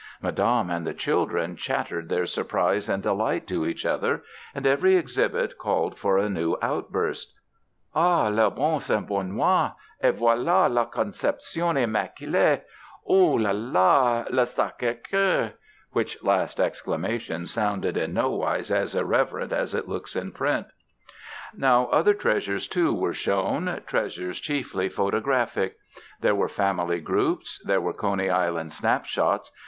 Madame and the children chattered their surprise and delight to each other, and every exhibit called for a new outburst. "Ah, le bon S. Benoit! Ah, voilà, le Conception Immacule! Ooh la la, le Sacré Cœur!" (which last exclamation sounded in no wise as irreverent as it looks in print). Now other treasures, too, were shown treasures chiefly photographic. There were family groups, there were Coney Island snapshots.